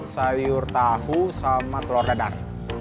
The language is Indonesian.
sayur tahu sama telur dadar